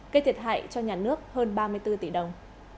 gây thiệt hại cho nhà nước hơn ba mươi bốn tỷ đồng